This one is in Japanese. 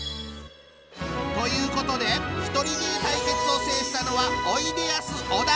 ということで一人芸対決を制したのはおいでやす小田！